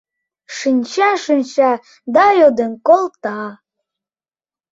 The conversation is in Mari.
Шинча-шинча да йодын колта: